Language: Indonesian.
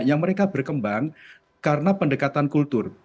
yang mereka berkembang karena pendekatan kultur